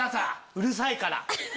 うるさいから。